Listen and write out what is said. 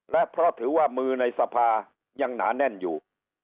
และเพราะถือว่ามือในสภายังหนาแน่นอยู่